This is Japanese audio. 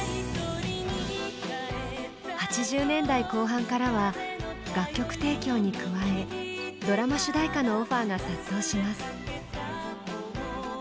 ８０年代後半からは楽曲提供に加えドラマ主題歌のオファーが殺到します。